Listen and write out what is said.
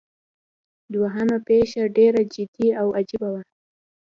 دوهمه پیښه ډیره جدي او عجیبه وه.